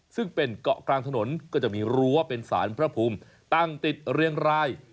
ซึ่งเป็นเกาะกลางถนนก็จะมีรั้วเป็นสารพระภูมิตั้งติดเรียงราย